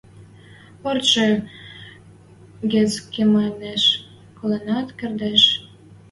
– Ӧртшӹ гӹц кемӓшеш коленӓт кердеш...